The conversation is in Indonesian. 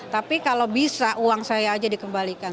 tapi kalau bisa uang saya aja dikembalikan